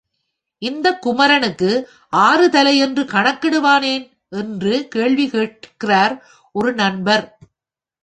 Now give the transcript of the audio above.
இந்தக் குமரனுக்கு ஆறு தலை என்று கணக்கிடுவானேன் என்று கேள்வி கேட்கிறார், ஒரு நண்பர்.